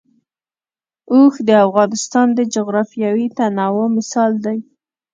اوښ د افغانستان د جغرافیوي تنوع مثال دی.